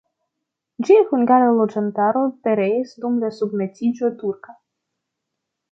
Ĝia hungara loĝantaro pereis dum la submetiĝo turka.